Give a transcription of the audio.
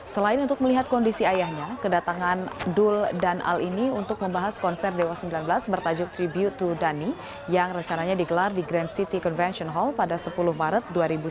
selain untuk melihat kondisi ayahnya kedatangan dul dan al ini untuk membahas konser dewa sembilan belas bertajuk tribute to donny yang rencananya digelar di grand city convention hall pada sepuluh maret dua ribu sembilan belas